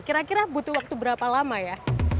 kira kira butuh waktu berapa lama ya